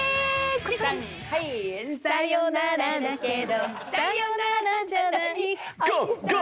「さよならだけどさよならじゃない」Ｇｏ！